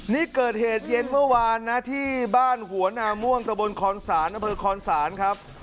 นี่เกิดเหตุเย็นเมื่อวานนะที่บ้านหัวนาม่วงตะบนคอนศาลอำเภอคอนศาลครับ